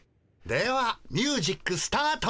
ではミュージックスタート！